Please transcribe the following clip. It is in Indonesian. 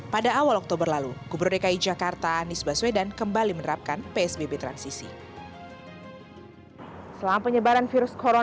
pada awal oktober lalu gubernur dki jakarta anies baswedan kembali menerapkan psbb transisi